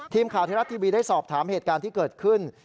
ทีมข่าวไทยรัฐทีวีได้สอบถามเหตุการณ์ที่เกิดขึ้น